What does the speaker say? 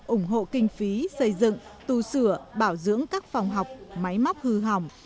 ủng hộ kinh phí xây dựng tu sửa bảo dưỡng các phòng học máy móc hư hỏng